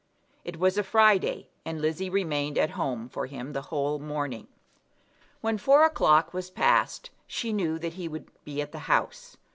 It was a Friday, and Lizzie remained at home for him the whole morning. When four o'clock was passed she knew that he would be at the House.